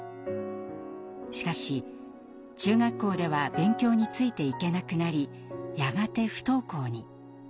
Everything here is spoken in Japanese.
しかし中学校では勉強についていけなくなりやがて不登校に。